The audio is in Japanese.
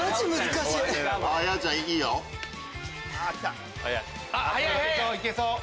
いけそういけそう！